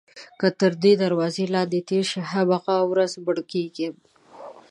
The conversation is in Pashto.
که تر دې دروازې لاندې تېر شي هماغه ورځ مړ کېږي.